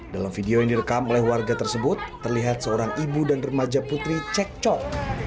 dalam video yang direkam oleh warga tersebut terlihat seorang ibu dan remaja putri cekcok